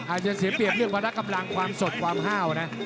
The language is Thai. อาจจะเสียเปรียบเรื่องวาระกำลังความสดความห้าวนะ